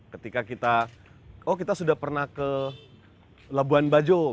ketika kita oh kita sudah pernah ke labuan bajo